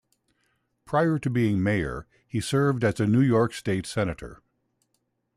Prior to being mayor, he served as a New York State Senator.